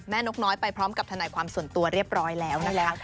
นกน้อยไปพร้อมกับทนายความส่วนตัวเรียบร้อยแล้วนะคะ